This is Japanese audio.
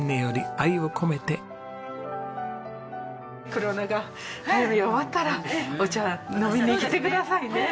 コロナが終わったらお茶飲みに来てくださいね。